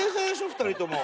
２人とも。